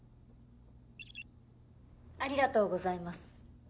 ありがとうございます。